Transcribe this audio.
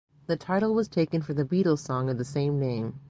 The title was taken from the Beatles' song of the same name.